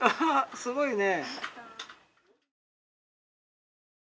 すごいね。